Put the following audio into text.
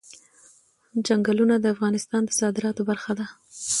چنګلونه د افغانستان د صادراتو برخه ده.